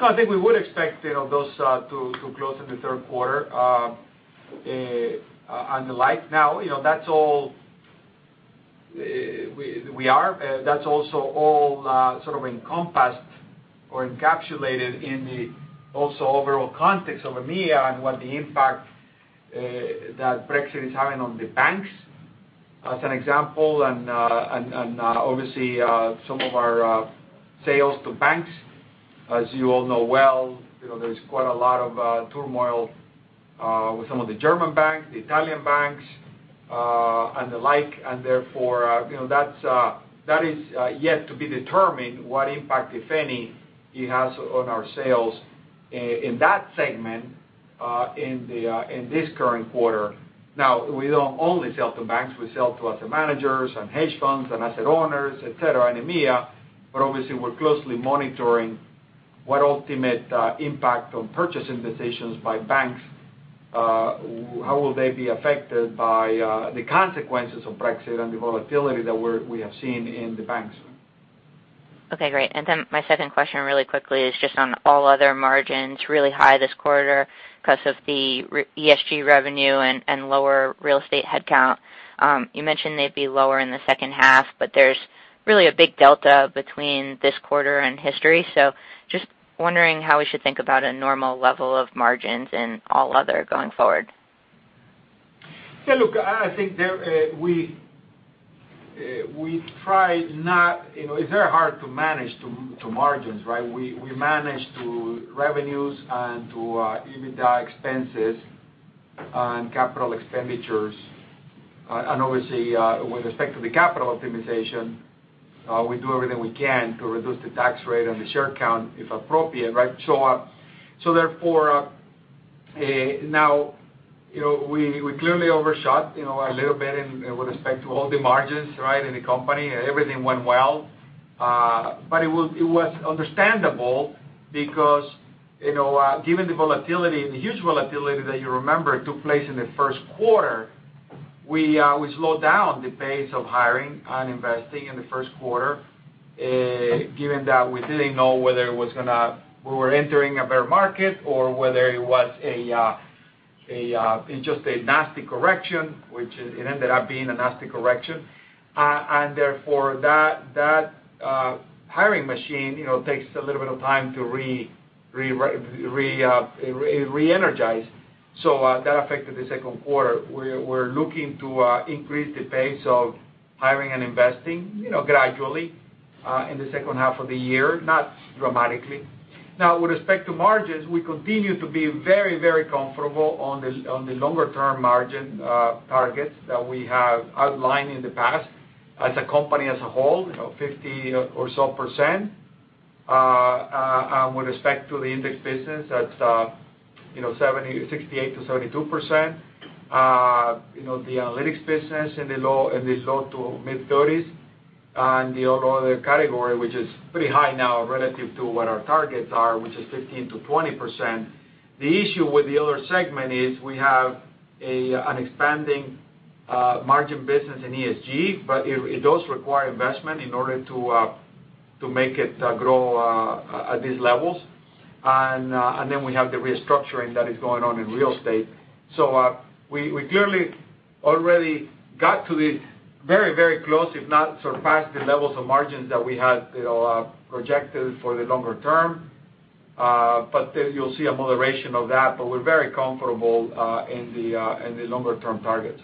Speaker 3: I think we would expect those to close in the third quarter and the like. That's also all sort of encompassed or encapsulated in the also overall context of EMEA and what the impact that Brexit is having on the banks, as an example, and obviously, some of our sales to banks. As you all know well, there's quite a lot of turmoil with some of the German banks, the Italian banks, and the like, that is yet to be determined what impact, if any, it has on our sales in that segment in this current quarter. We don't only sell to banks. We sell to asset managers and hedge funds and asset owners, et cetera, in EMEA. Obviously, we're closely monitoring what ultimate impact on purchasing decisions by banks, how will they be affected by the consequences of Brexit and the volatility that we have seen in the banks.
Speaker 7: Okay, great. My second question really quickly is just on All Other margins, really high this quarter because of the ESG revenue and lower Real Estate headcount. You mentioned they'd be lower in the second half, there's really a big delta between this quarter and history. Just wondering how we should think about a normal level of margins in All Other going forward.
Speaker 3: Yeah, look, it's very hard to manage to margins, right? We manage to revenues and to EBITDA expenses and capital expenditures. Obviously, with respect to the capital optimization, we do everything we can to reduce the tax rate and the share count if appropriate, right? Therefore, now we clearly overshot a little bit with respect to all the margins, right, in the company. Everything went well. It was understandable because given the huge volatility that you remember took place in the first quarter, we slowed down the pace of hiring and investing in the first quarter, given that we didn't know whether we were entering a bear market or whether it was just a nasty correction, which it ended up being a nasty correction. Therefore, that hiring machine takes a little bit of time to re-energize. That affected the second quarter. We're looking to increase the pace of hiring and investing gradually in the second half of the year, not dramatically. Now, with respect to margins, we continue to be very, very comfortable on the longer-term margin targets that we have outlined in the past as a company as a whole, 50% or so. With respect to the Index business, that's 68%-72%. The Analytics business in the low to mid-30s. The All Other category, which is pretty high now relative to what our targets are, which is 15%-20%. The issue with the Other segment is we have an expanding margin business in ESG, it does require investment in order to make it grow at these levels. We have the restructuring that is going on in Real Estate. We clearly already got to the very close, if not surpassed, the levels of margins that we had projected for the longer term. You'll see a moderation of that, but we're very comfortable in the longer-term targets.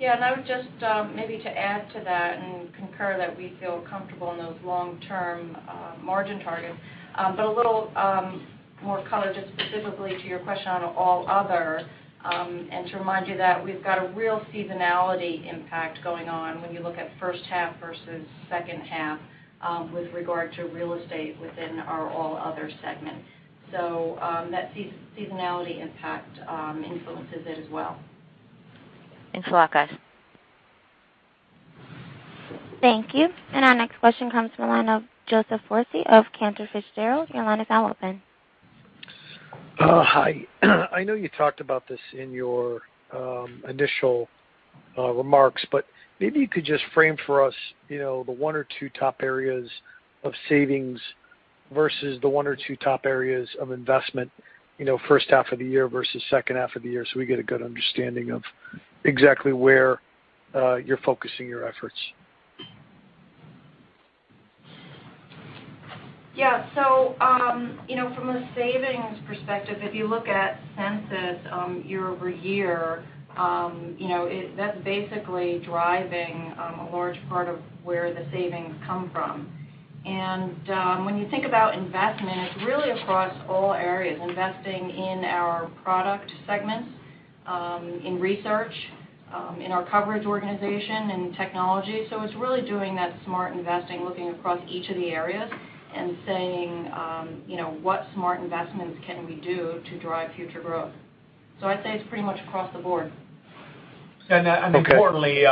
Speaker 4: I would just, maybe to add to that, concur that we feel comfortable in those long-term margin targets. A little more color, just specifically to your question on all other, to remind you that we've got a real seasonality impact going on when you look at first half versus second half with regard to real estate within our all other segment. That seasonality impact influences it as well.
Speaker 7: Thanks a lot, guys.
Speaker 1: Thank you. Our next question comes from the line of Joseph Foresi of Cantor Fitzgerald. Your line is now open.
Speaker 8: Hi. I know you talked about this in your initial remarks, but maybe you could just frame for us, the one or two top areas of savings versus the one or two top areas of investment, first half of the year versus second half of the year, so we get a good understanding of exactly where you're focusing your efforts.
Speaker 4: Yeah. From a savings perspective, if you look at census year-over-year, that's basically driving a large part of where the savings come from. When you think about investment, it's really across all areas. Investing in our product segments, in research, in our coverage organization, in technology. It's really doing that smart investing, looking across each of the areas and saying, "What smart investments can we do to drive future growth?" I'd say it's pretty much across the board.
Speaker 3: Importantly,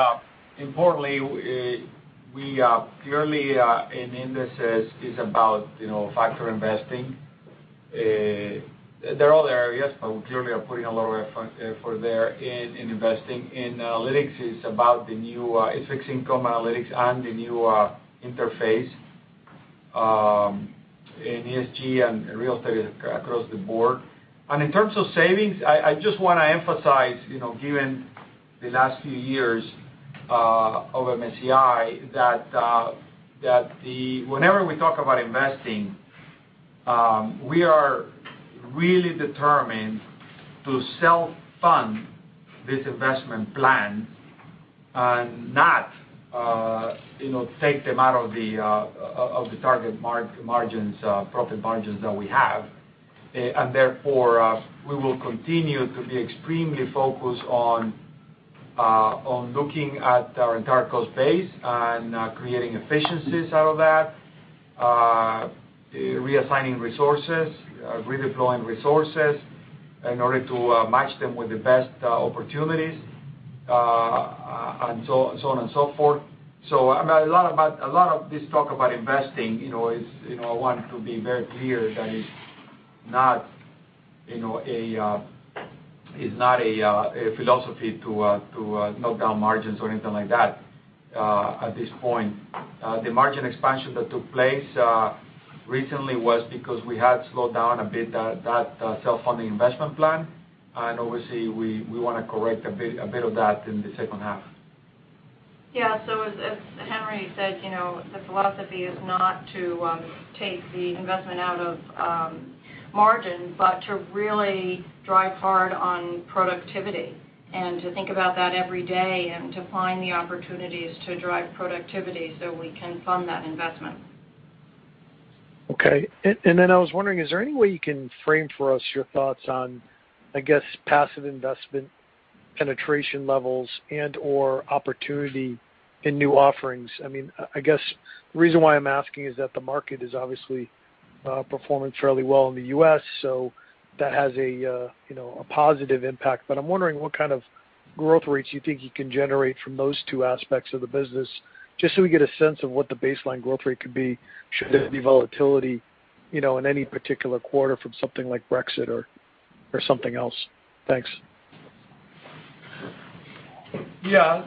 Speaker 3: we purely, in indices, it's about factor investing. There are other areas, but we clearly are putting a lot of effort there in investing. In analytics, it's about the new fixed income analytics and the new interface, in ESG and real estate across the board. In terms of savings, I just want to emphasize, given the last few years of MSCI, that whenever we talk about investing, we are really determined to self-fund this investment plan and not take them out of the target margins, profit margins that we have. Therefore, we will continue to be extremely focused on looking at our entire cost base and creating efficiencies out of that. Reassigning resources, redeploying resources in order to match them with the best opportunities, and so on and so forth. A lot of this talk about investing, I want it to be very clear that it's not a philosophy to knock down margins or anything like that at this point. The margin expansion that took place recently was because we had slowed down a bit that self-funding investment plan. Obviously, we want to correct a bit of that in the second half.
Speaker 4: Yeah. As Henry said, the philosophy is not to take the investment out of margin, but to really drive hard on productivity and to think about that every day and to find the opportunities to drive productivity so we can fund that investment.
Speaker 8: Okay. I was wondering, is there any way you can frame for us your thoughts on, I guess, passive investment penetration levels and/or opportunity in new offerings? I guess the reason why I'm asking is that the market is obviously performing fairly well in the U.S., so that has a positive impact. I'm wondering what kind of growth rates you think you can generate from those two aspects of the business, just so we get a sense of what the baseline growth rate could be, should there be volatility in any particular quarter from something like Brexit or something else. Thanks.
Speaker 3: Yeah.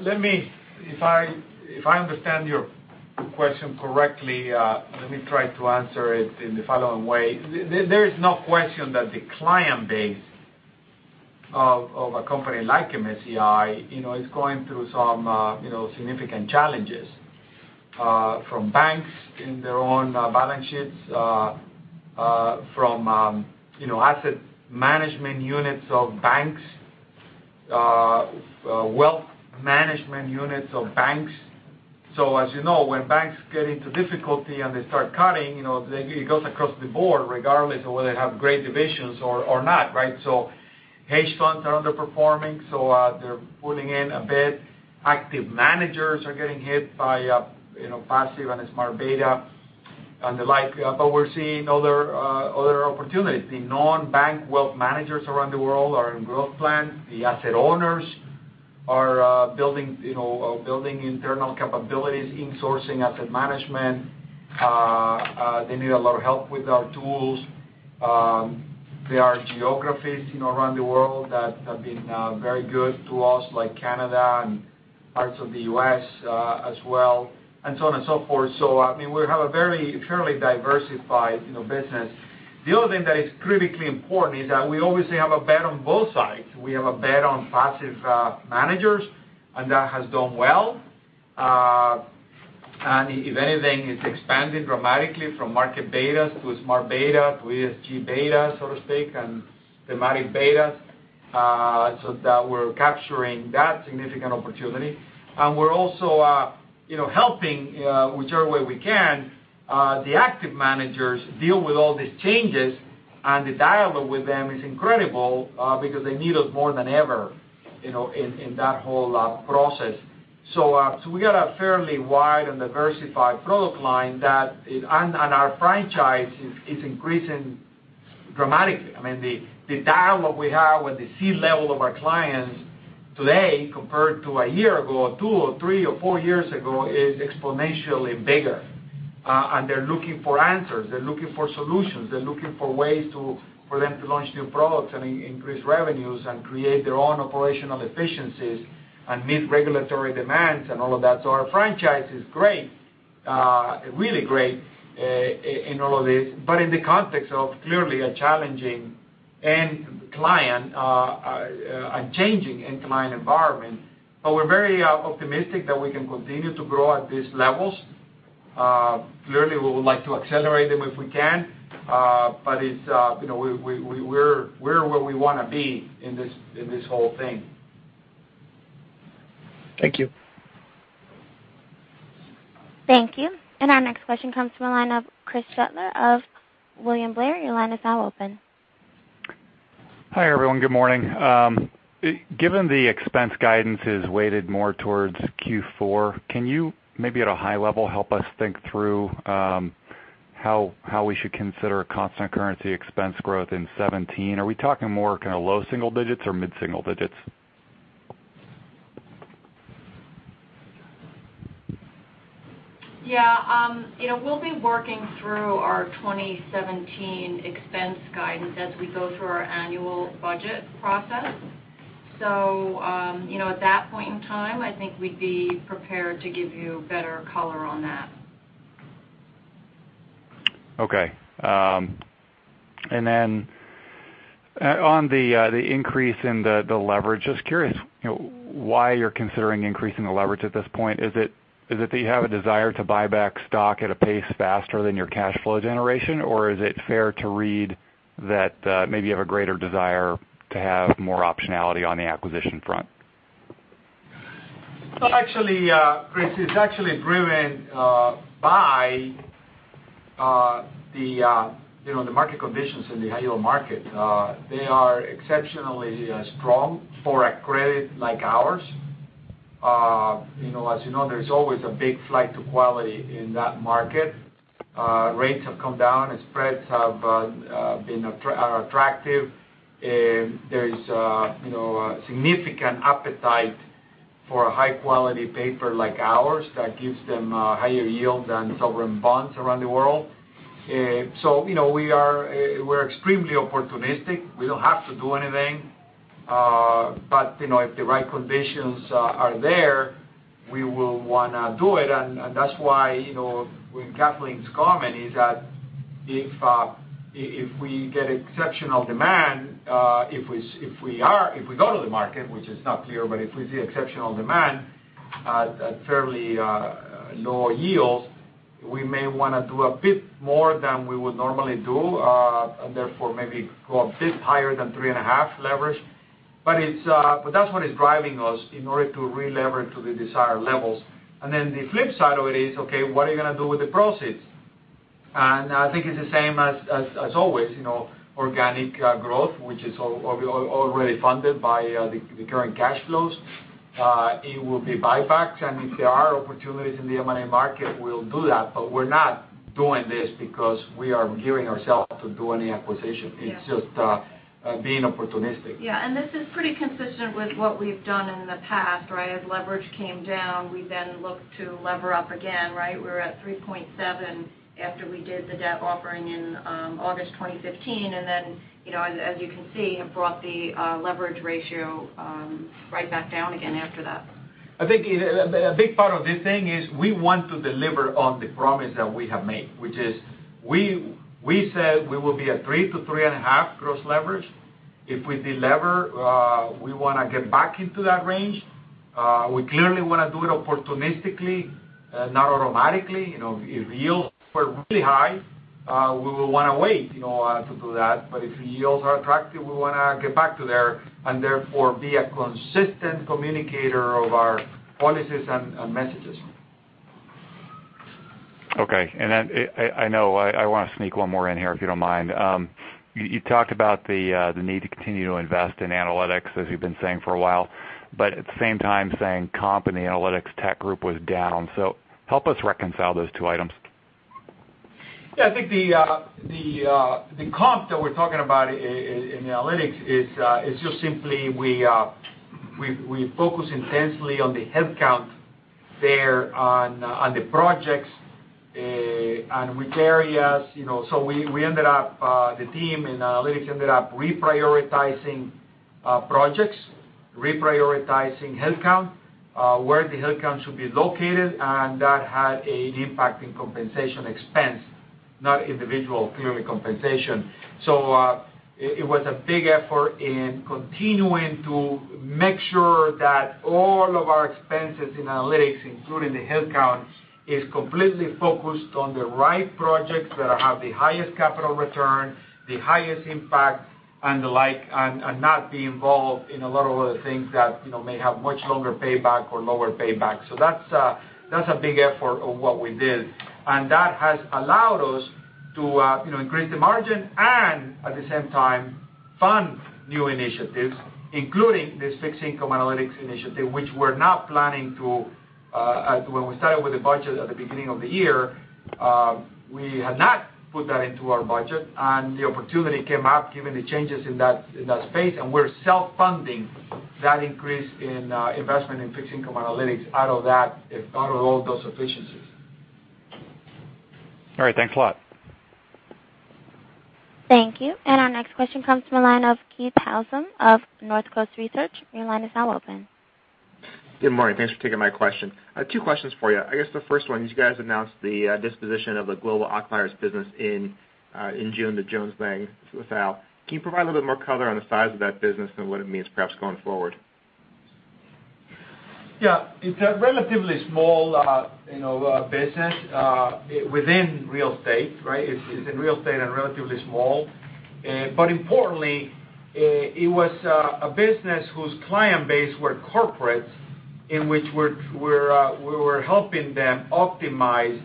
Speaker 3: If I understand your question correctly, let me try to answer it in the following way. There is no question that the client base of a company like MSCI is going through some significant challenges. From banks in their own balance sheets, from asset management units of banks, wealth management units of banks. As you know, when banks get into difficulty and they start cutting, it goes across the board regardless of whether they have great divisions or not, right? Hedge funds are underperforming, so they're pulling in a bit. Active managers are getting hit by passive and smart beta and the like. We're seeing other opportunities. The non-bank wealth managers around the world are in growth plans. The asset owners are building internal capabilities, insourcing asset management. They need a lot of help with our tools. There are geographies around the world that have been very good to us, like Canada and Parts of the U.S. as well, and so on and so forth. We have a very fairly diversified business. The other thing that is critically important is that we obviously have a bet on both sides. We have a bet on passive managers, and that has done well. If anything, it's expanded dramatically from market beta to smart beta to ESG beta, so to speak, and thematic betas, so that we're capturing that significant opportunity. We're also helping whichever way we can the active managers deal with all these changes, and the dialogue with them is incredible because they need us more than ever in that whole process. We got a fairly wide and diversified product line and our franchise is increasing dramatically. The dialogue we have with the C-level of our clients today compared to a year ago or two or three or four years ago is exponentially bigger. They're looking for answers. They're looking for solutions. They're looking for ways for them to launch new products and increase revenues and create their own operational efficiencies and meet regulatory demands and all of that. Our franchise is great, really great in all of this. In the context of clearly a challenging end client, a changing end client environment. We're very optimistic that we can continue to grow at these levels. Clearly, we would like to accelerate them if we can. We're where we want to be in this whole thing.
Speaker 8: Thank you.
Speaker 1: Thank you. Our next question comes from the line of Chris Shutler of William Blair. Your line is now open.
Speaker 9: Hi, everyone. Good morning. Given the expense guidance is weighted more towards Q4, can you maybe at a high level help us think through how we should consider constant currency expense growth in 2017? Are we talking more kind of low single digits or mid-single digits?
Speaker 4: We'll be working through our 2017 expense guidance as we go through our annual budget process. At that point in time, I think we'd be prepared to give you better color on that.
Speaker 9: Okay. On the increase in the leverage, just curious why you're considering increasing the leverage at this point. Is it that you have a desire to buy back stock at a pace faster than your cash flow generation? Is it fair to read that maybe you have a greater desire to have more optionality on the acquisition front?
Speaker 3: Well, actually, Chris, it's actually driven by the market conditions in the high yield market. They are exceptionally strong for a credit like ours. As you know, there's always a big flight to quality in that market. Rates have come down, spreads are attractive. There is a significant appetite for a high-quality paper like ours that gives them higher yield than sovereign bonds around the world. We're extremely opportunistic. We don't have to do anything. If the right conditions are there, we will want to do it. That's why with Kathleen's comment is that if we get exceptional demand, if we go to the market, which is not clear, but if we see exceptional demand at fairly lower yields, we may want to do a bit more than we would normally do, and therefore maybe go a bit higher than three and a half leverage. That's what is driving us in order to relever to the desired levels. The flip side of it is, okay, what are you going to do with the proceeds? I think it's the same as always. Organic growth, which is already funded by the current cash flows. It will be buybacks, if there are opportunities in the M&A market, we'll do that. We're not doing this because we are gearing ourselves to do any acquisition. It's just being opportunistic.
Speaker 4: Yeah. This is pretty consistent with what we've done in the past, right? As leverage came down, we looked to lever up again, right? We were at 3.7 after we did the debt offering in August 2015. As you can see, have brought the leverage ratio right back down again after that.
Speaker 3: I think a big part of this thing is we want to deliver on the promise that we have made, which is we said we will be at three to three and a half gross leverage. If we de-lever, we want to get back into that range. We clearly want to do it opportunistically, not automatically. If yields were really high, we will want to wait to do that. If yields are attractive, we want to get back to there and therefore be a consistent communicator of our policies and messages.
Speaker 9: Okay. I know I want to sneak one more in here, if you don't mind. You talked about the need to continue to invest in analytics, as you've been saying for a while, at the same time saying comp and the analytics tech group was down. Help us reconcile those two items.
Speaker 3: Yeah, I think the comp that we're talking about in analytics is just simply we focus intensely on the headcount there on the projects and which areas. The team in analytics ended up reprioritizing projects, reprioritizing headcount, where the headcount should be located, and that had an impact in compensation expense, not individual clearly compensation. It was a big effort in continuing to make sure that all of our expenses in analytics, including the headcount, is completely focused on the right projects that have the highest capital return, the highest impact, and the like, and not be involved in a lot of other things that may have much longer payback or lower payback. That's a big effort of what we did, and that has allowed us to increase the margin and at the same time fund new initiatives, including this fixed income analytics initiative. When we started with the budget at the beginning of the year, we had not put that into our budget, the opportunity came up given the changes in that space, we're self-funding that increase in investment in fixed income analytics out of all those efficiencies.
Speaker 9: All right. Thanks a lot.
Speaker 1: Thank you. Our next question comes from the line of Keith Housum of Northcoast Research. Your line is now open.
Speaker 10: Good morning. Thanks for taking my question. Two questions for you. I guess the first one, you guys announced the disposition of the Global Occupiers business in June to Jones Lang LaSalle. Can you provide a little bit more color on the size of that business and what it means perhaps going forward?
Speaker 3: It's a relatively small business within real estate, right? It's in real estate and relatively small. Importantly, it was a business whose client base were corporates in which we were helping them optimize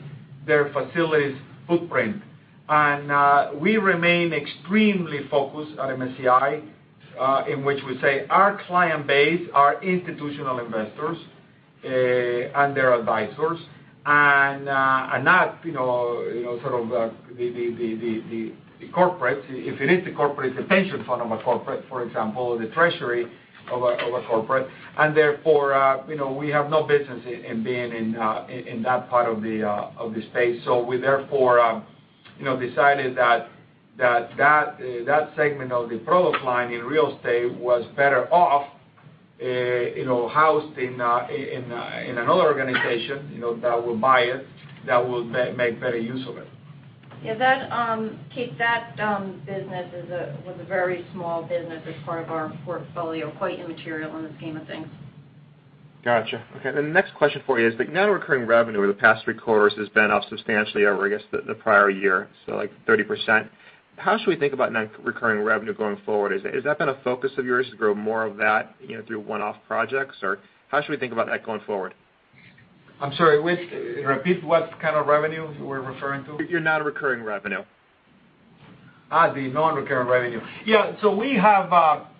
Speaker 3: their facilities footprint. We remain extremely focused at MSCI, in which we say our client base are institutional investors and their advisors and not the corporates. If it is the corporate, it's a pension fund of a corporate, for example, the treasury of a corporate. Therefore, we have no business in being in that part of the space. We therefore decided that that segment of the product line in real estate was better off housed in another organization that will buy it, that will make better use of it.
Speaker 4: Keith, that business was a very small business as part of our portfolio, quite immaterial in the scheme of things.
Speaker 10: Got you. The next question for you is the net recurring revenue over the past three quarters has been up substantially over, I guess, the prior year, like 30%. How should we think about net recurring revenue going forward? Has that been a focus of yours to grow more of that through one-off projects? How should we think about that going forward?
Speaker 3: I'm sorry. Repeat what kind of revenue you were referring to.
Speaker 10: Your net recurring revenue.
Speaker 3: The non-recurring revenue. Yeah. We have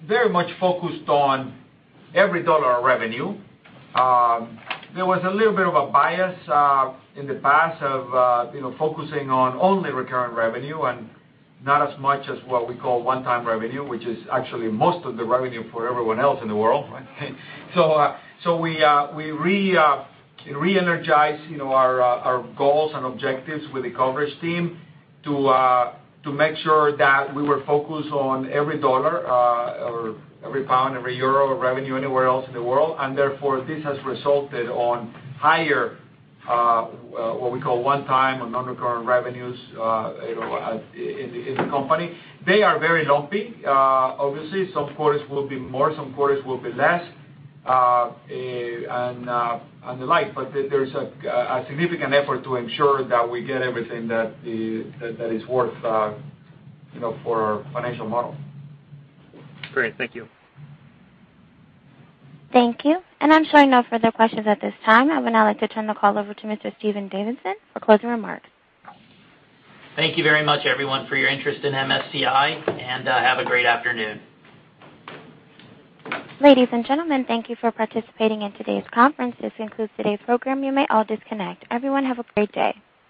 Speaker 3: very much focused on every dollar of revenue. There was a little bit of a bias in the past of focusing on only recurring revenue, and not as much as what we call one-time revenue, which is actually most of the revenue for everyone else in the world, right? We re-energized our goals and objectives with the coverage team to make sure that we were focused on every dollar or every pound, every euro of revenue anywhere else in the world. Therefore, this has resulted on higher, what we call one-time or non-recurring revenues in the company. They are very lumpy. Obviously, some quarters will be more, some quarters will be less, and the like. There's a significant effort to ensure that we get everything that is worth for our financial model.
Speaker 10: Great. Thank you.
Speaker 1: Thank you. I'm showing no further questions at this time. I would now like to turn the call over to Mr. Stephen Davidson for closing remarks.
Speaker 2: Thank you very much, everyone, for your interest in MSCI, and have a great afternoon.
Speaker 1: Ladies and gentlemen, thank you for participating in today's conference. This concludes today's program. You may all disconnect. Everyone, have a great day.